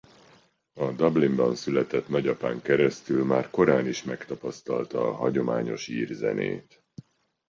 A Dublinban született nagyapán keresztül már korán is megtapasztalta a hagyományos ír zenét.